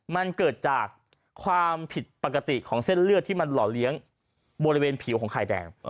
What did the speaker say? มันเกิดจากความผิดปกติของเส้นเลือดที่มันหล่อเลี้ยงบริเวณผิวของไข่แดง